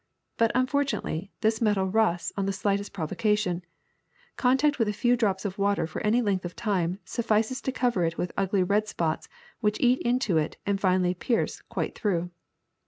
But unfortunately this metal rusts on the slightest provocation ; contact with a few drops of water for any length of time suffices to cover it with ugly red spots which eat into it and finally pierce quite through.